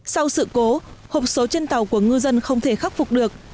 sau sự cố hộp số trên tàu của ngư dân không thể khắc phục được